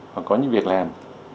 hoặc có những việc làm